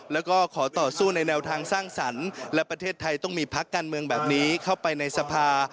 แล้วก็ขอต่อสู้ในแนวทางสร้างสรรค์และประเทศไทยต้องมีพักการเมืองแบบนี้เข้าไปในสภา